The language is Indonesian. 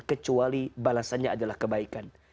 kecuali balasannya adalah kebaikan